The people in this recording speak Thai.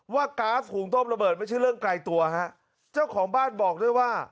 ก๊าซหุงต้มระเบิดไม่ใช่เรื่องไกลตัวฮะเจ้าของบ้านบอกด้วยว่า